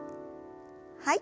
はい。